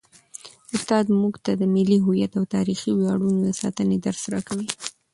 استاد موږ ته د ملي هویت او تاریخي ویاړونو د ساتنې درس راکوي.